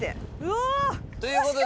ということで。